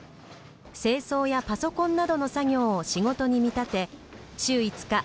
清掃やパソコンなどの作業を仕事に見立て週５日